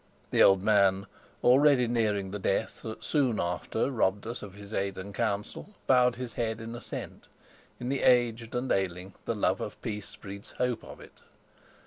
The old man, already nearing the death that soon after robbed us of his aid and counsel, bowed his head in assent: in the aged and ailing the love of peace breeds hope of it.